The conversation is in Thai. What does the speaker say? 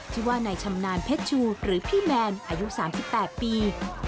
ชื่อว่านายชำนาญเพชรชูหรือพี่แมนอายุ๓๘ปี